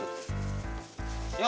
yuk nih yuk